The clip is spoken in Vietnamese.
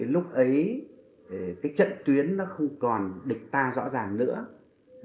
lúc ấy cái trận tuyến nó không còn địch ta rõ ràng nữa